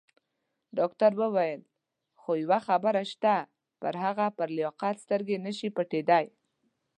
ډاکټر وویل: خو یوه خبره شته، پر هغه پر لیاقت سترګې نه شي پټېدای.